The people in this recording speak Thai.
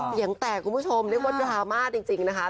เสียงแตกคุณผู้ชมเรียกว่าดราม่าจริงนะคะ